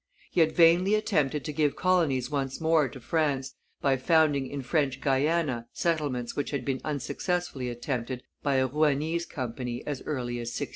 He had vainly attempted to give colonies once more to France by founding in French Guiana settlements which had been unsuccessfully attempted by a Rouennese Company as early as 1634.